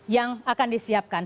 yang akan disiapkan